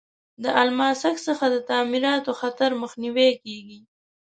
د الماسک څخه د تعمیراتو خطر مخنیوی کیږي.